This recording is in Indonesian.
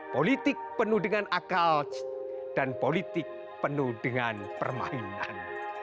politik penuh dengan akal dan politik penuh dengan permainan